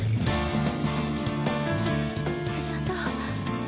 強そう。